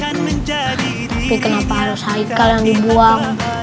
kenapa harus haikal yang dibuang